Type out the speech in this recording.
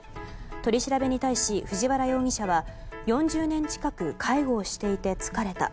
取り調べに対し、藤原容疑者は４０年近く介護をしていて疲れた。